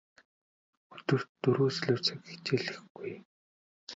Өдөрт дөрвөөс илүү цаг хичээллэхгүй.